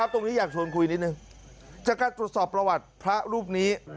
อยากชวนคุยนิดนึงจากการตรวจสอบประวัติพระรูปนี้